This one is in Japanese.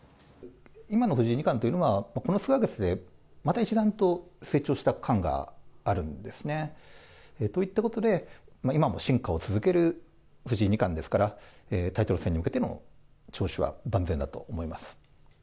今の藤井二冠というのは、この数か月でまた一段と成長した感があるんですね。といったことで、今も進化を続ける藤井二冠ですから、タイトル戦に向けての調子は万全だと思います。